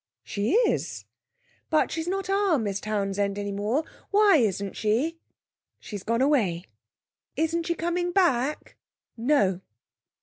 'She is.' 'But she's not our Miss Townsend any more. Why isn't she?' 'She's gone away.' 'Isn't she coming back?' 'No.'